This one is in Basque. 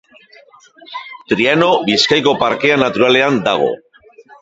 Triano Bizkaiko parkea naturalean dago.